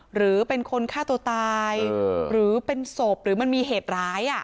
หรือเป็นคนฆ่าตัวตายหรือเป็นศพหรือมันมีเหตุร้าย